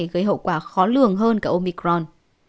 gây hậu quả khó lường hơn cả omicron